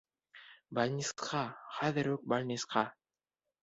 Бальнисҡа, хәҙер үк бальнисҡа!